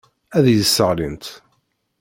Ad iyi-sseɣlint.